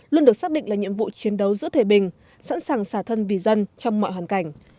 luôn được xác định là nhiệm vụ chiến đấu giữa thể bình sẵn sàng xả thân vì dân trong mọi hoàn cảnh